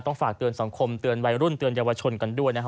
ฝากเตือนสังคมเตือนวัยรุ่นเตือนเยาวชนกันด้วยนะครับ